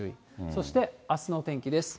そして、あすの天気です。